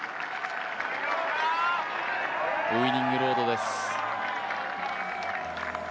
ウイニングロードです。